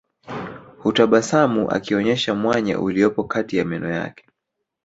Hutabasamu akionesha mwanya uliopo kati ya meno yake